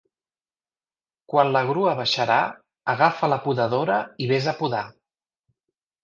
Quan la grua baixarà, agafa la podadora i ves a podar.